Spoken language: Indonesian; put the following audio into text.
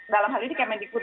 dalam hal ini kmn dikun